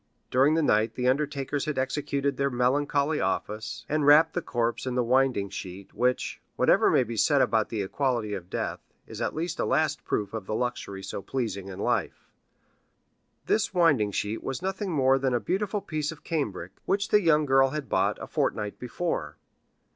During the night the undertakers had executed their melancholy office, and wrapped the corpse in the winding sheet, which, whatever may be said about the equality of death, is at least a last proof of the luxury so pleasing in life. This winding sheet was nothing more than a beautiful piece of cambric, which the young girl had bought a fortnight before.